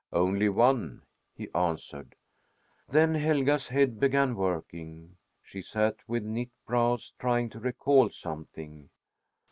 "Only one," he answered. Then Helga's head began working. She sat with knit brows trying to recall something.